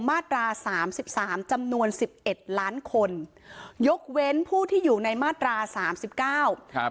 มาตราสามสิบสามจำนวนสิบเอ็ดล้านคนยกเว้นผู้ที่อยู่ในมาตราสามสิบเก้าครับ